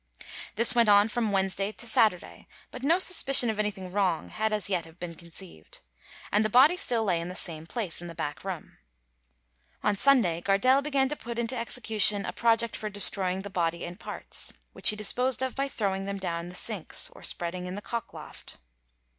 This went on from Wednesday to Saturday; but no suspicion of anything wrong had as yet been conceived, and the body still lay in the same place in the back room. On Sunday Gardelle began to put into execution a project for destroying the body in parts, which he disposed of by throwing them down the sinks, or spreading in the cockloft.